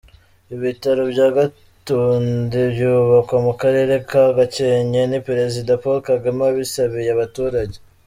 Ibitaro bya Gatonde byubakwa mu Karere ka Gakenke ni Perezida Paul Kagame wabisabiye abaturage.